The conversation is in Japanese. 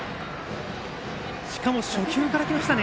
しかも初球からきましたね。